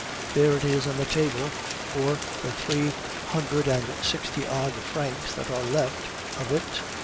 "There it is on the table, or the three hundred and sixty odd francs that are left of it.